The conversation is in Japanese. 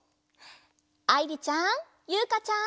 あいりちゃんゆうかちゃん。